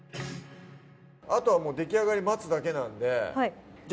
あとはもうできあがり待つだけなんでじゃ